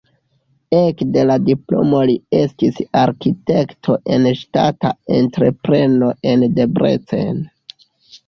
Ekde la diplomo li estis arkitekto en ŝtata entrepreno en Debrecen.